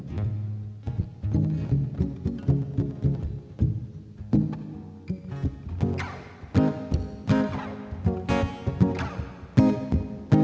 tunggu aku mau ambil lagu ini